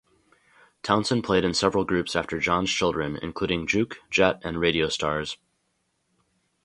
Townson played in several groups after John's Children, including Jook, Jet and Radio Stars.